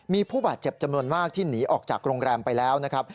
มีผู้บาดเจ็บจำนวนมากที่หนีออกจากโรงแรมไปแล้วนะครับ